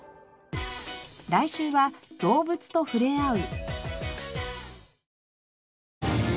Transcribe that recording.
来週は動物とふれあう。